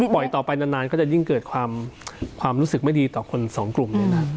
ต่อไปนานก็จะยิ่งเกิดความรู้สึกไม่ดีต่อคนสองกลุ่มเลยนะ